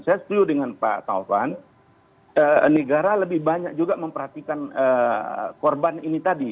saya setuju dengan pak taufan negara lebih banyak juga memperhatikan korban ini tadi